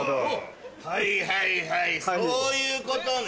はいはいはいそういうことね。